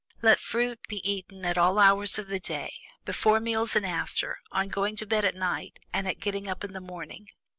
Let fruit be eaten at all hours of the day before meals and after, on going to bed at night and at getting up in the morning.